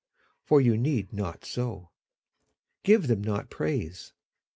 For you need not so. Give them not praise.